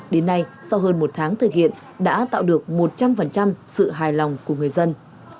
đến nay sau hơn một tháng thực hiện đã tạo được một trăm linh sự hài lòng của người dân